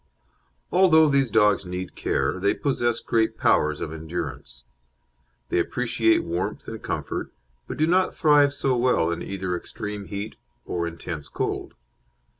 Although these dogs need care, they possess great powers of endurance. They appreciate warmth and comfort, but do not thrive so well in either extreme heat or intense cold.